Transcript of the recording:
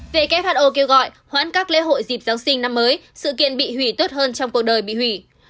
who kêu gọi hoãn các lễ hội dịp giáng sinh năm mới sự kiện bị hủy tốt hơn trong cuộc đời bị hủy